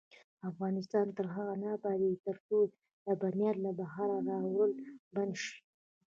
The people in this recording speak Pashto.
افغانستان تر هغو نه ابادیږي، ترڅو لبنیات له بهره راوړل بند نشي.